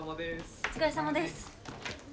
お疲れさまです。